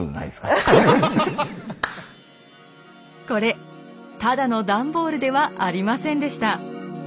これただの段ボールではありませんでした。